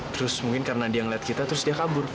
terus mungkin karena dia melihat kita terus dia kabur